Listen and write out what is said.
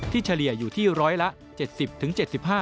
ที่เฉลี่ยอยู่ที่ร้อยละ๗๐ถึง๗๕